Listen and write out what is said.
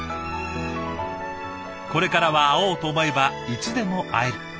これからは会おうと思えばいつでも会える。